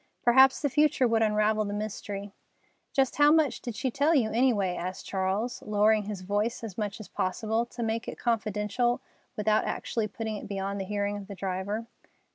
Perhaps the future would unravel the mystery. "Just how much did she tell you, any way?" asked Charles, lowering his voice as much as possible, to make it confidential without actually putting it beyond the hearing of the driver.